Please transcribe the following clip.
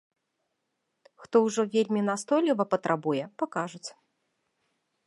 Хто ўжо вельмі настойліва патрабуе, пакажуць.